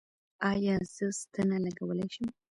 ایا زه ستنه لګولی شم؟